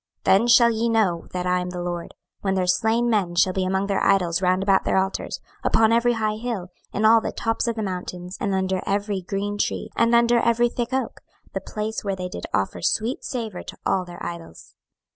26:006:013 Then shall ye know that I am the LORD, when their slain men shall be among their idols round about their altars, upon every high hill, in all the tops of the mountains, and under every green tree, and under every thick oak, the place where they did offer sweet savour to all their idols.